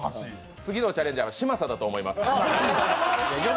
次のチャレンジャーは嶋佐だと思います。